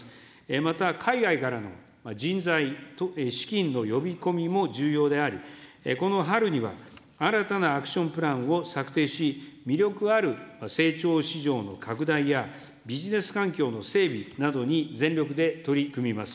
また海外からの人材、資金の呼び込みも重要であり、この春には新たなアクションプランを策定し、魅力ある成長市場の拡大や、ビジネス環境の整備などに全力で取り組みます。